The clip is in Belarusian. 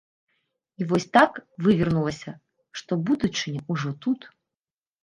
І вось так вывернулася, што будучыня ўжо тут.